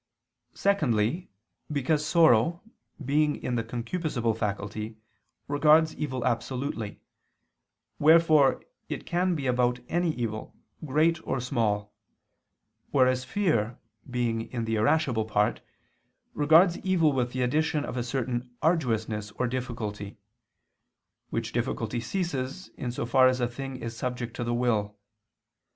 Secondly, because sorrow, being in the concupiscible faculty, regards evil absolutely; wherefore it can be about any evil, great or small; whereas fear, being in the irascible part, regards evil with the addition of a certain arduousness or difficulty; which difficulty ceases in so far as a thing is subject to the will.